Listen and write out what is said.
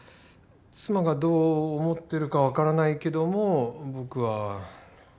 妻がどう思ってるかわからないけども僕は。